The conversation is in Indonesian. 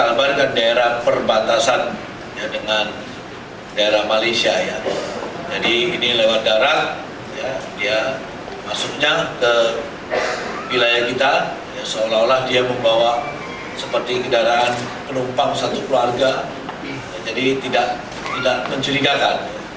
seperti gedaran penumpang satu keluarga jadi tidak mencurigakan